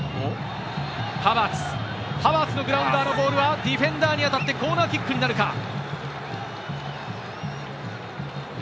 ハバーツのグラウンダーのボールはディフェンダーに当たってコーナーキックになるか？